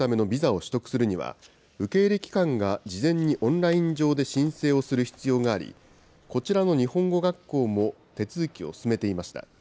ビザを取得するには、受け入れ機関が事前にオンライン上で申請をする必要があり、こちらの日本語学校も手続きを進めていました。